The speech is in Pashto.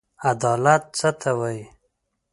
عدالت څه ته وايي؟